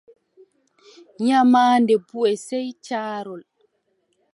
Nyamaande buʼe, sey caarol.